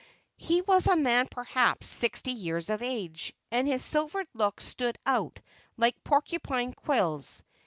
He was a man perhaps sixty years of age, and his silvered locks stood out like porcupine quills.